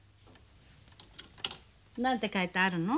何て書いてあるの？